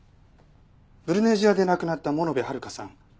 ブルネジアで亡くなった物部遥さん